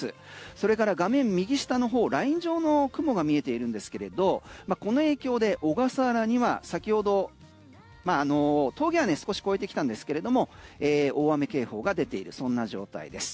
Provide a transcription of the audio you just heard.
それから画面右下ライン状の雲が見えているんですけれどこの影響で小笠原には先ほど峠は少し超えてきたんですが大雨警報が出ているそんな状態です。